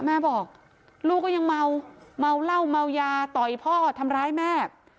แม่บอกลูกก็ยังเมาเมาเหล้าเมายาต่อยพ่อทำร้ายแม่